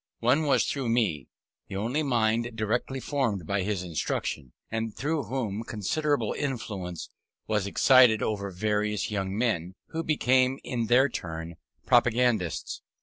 One was through me, the only mind directly formed by his instructions, and through whom considerable influence was exercised over various young men, who became, in their turn, propagandists.